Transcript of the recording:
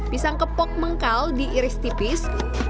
pisang kepok mengkal diiris tipis